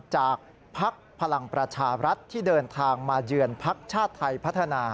พักพลังประชารัฐที่เดินทางมาเยือนพักชาติไทยพัฒนา